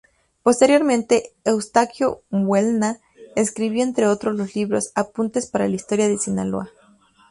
Posteriormente Eustaquio Buelna escribió, entre otros, los libros "Apuntes Para la Historia de Sinaloa.